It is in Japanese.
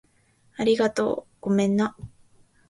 ありがとう。ごめんな